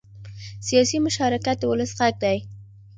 سیاسي مشارکت د ولس غږ دی